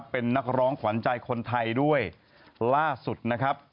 เป็นนักร้องขวัญใจคนไทยด้วยล่าสุดนะครับ